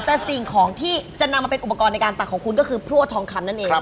แต่สิ่งของที่จะนำมาเป็นอุปกรณ์ในการตักของคุณก็คือพลั่วทองคำนั่นเอง